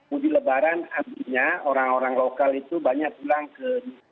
mudik lebaran artinya orang orang lokal itu banyak pulang ke